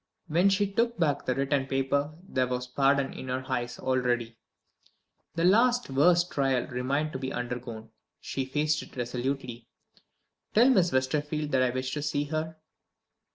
When she took back the written paper there was pardon in her eyes already. The last worst trial remained to be undergone; she faced it resolutely. "Tell Miss Westerfield that I wish to see her."